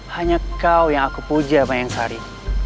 hanya kau yang aku puja bayang sari